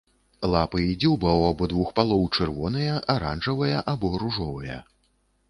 Лапы і дзюба ў абодвух палоў чырвоныя, аранжавыя або ружовыя.